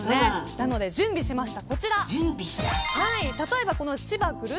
なので準備しました。